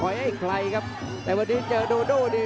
โอ้โหไม่พลาดกับธนาคมโดโด้แดงเขาสร้างแบบนี้